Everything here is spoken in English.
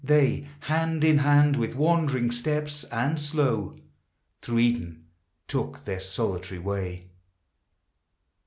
They, hand in hand, with wandering steps and slow, Through Eden took their solitary way.